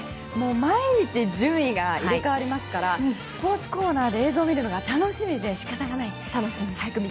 毎日、順位が入れ替わりますからスポーツコーナーで映像を見るのが楽しみで仕方ない。